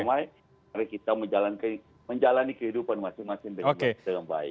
mari kita menjalani kehidupan masing masing dengan baik